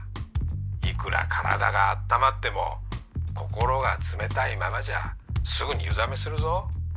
いくら体があったまっても心が冷たいままじゃすぐに湯冷めするぞ。